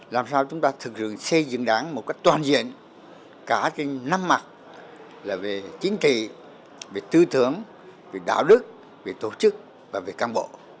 làm sao chúng ta thực sự xây dựng đảng một cách toàn diện cả trên năm mặt là về chính trị về tư tưởng về đạo đức về tổ chức và về căn bộ